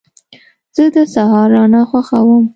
زه د سهار رڼا خوښوم.